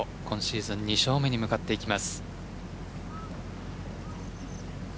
今シーズン２勝目に向かっていきます。